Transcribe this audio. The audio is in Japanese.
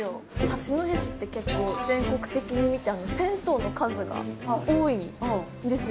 八戸市って結構全国的に見て銭湯の数が多いんですよ。